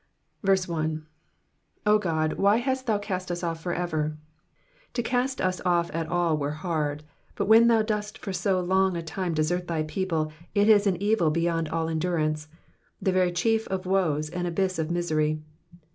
1. 0 Qod^ who hast thou cast us off far ewrV To cast us off at all were hard, but when thou dost for so long a time desert thy people it is an evil beyond all endurance — the very chief of woes and abyss of misery.